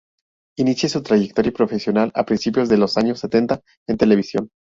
Inicia su trayectoria profesional a principios de los años setenta en televisión.